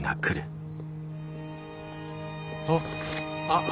あっ。